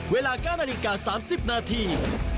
เวลา๙นาฬิกา๓๐นาที